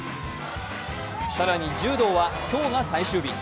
更に、柔道は今日が最終日。